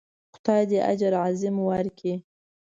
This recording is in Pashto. خدای دې اجر عظیم ورکړي.